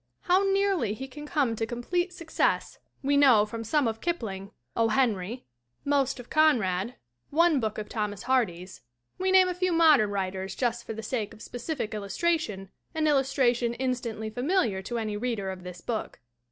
How nearly he can come to complete success we know from some of Kipling, O. Henry, most of 8 THE WOMEN WHO MAKE OUR NOVELS Conrad, one book of Thomas Hardy's we name a few modern writers just for the sake of specific illus tration and illustration instantly familiar to any reader of this book.